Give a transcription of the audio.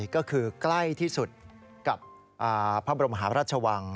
ก็คือใกล้ที่สุดกับพระบรมหาพระราชวัง